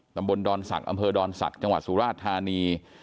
ตำบลดอนศักดิ์อำเภอดอนศักดิ์จังหวัดสุราชธานี